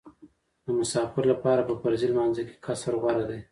د مسافر لپاره په فرضي لمانځه کې قصر غوره دی